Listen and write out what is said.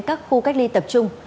các khu cách ly tập trung